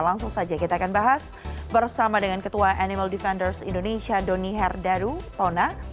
langsung saja kita akan bahas bersama dengan ketua animal defenders indonesia doni herdadu tona